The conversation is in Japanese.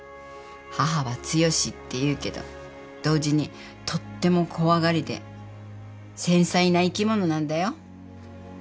母は強しっていうけど同時にとっても怖がりで繊細な生き物なんだよ。